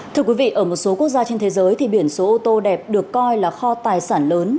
thưa quý vị ở một số quốc gia trên thế giới thì biển số ô tô đẹp được coi là kho tài sản lớn